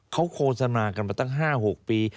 เขาโฆษณากันมาตั้ง๕๖ปี